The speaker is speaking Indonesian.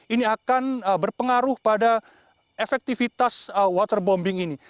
ini akan berpengaruh pada efektivitas waterbombing ini